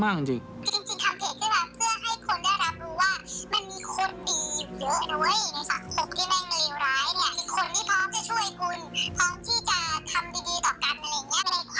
เพื่อให้คนได้รับรู้ว่ามันมีคนดีอยู่เยอะนะเว้ย